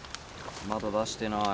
まだ出してない。